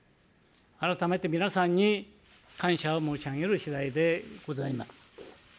改めて皆さんに感謝を申し上げる次第でございます。